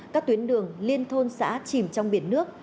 các tuyến đường liên thôn xã chìm trong biển nước